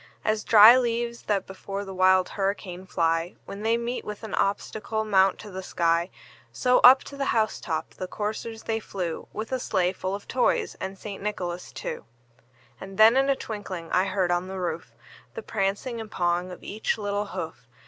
As dry leaves that before the wild hurricane fly, When they meet with an obstacle, mount to the sky, So, up to the house top the coursers they flew, With a sleigh full of toys and St. Nicholas too. And then in a twinkling I heard on the roof, The prancing and pawing of each little hoof.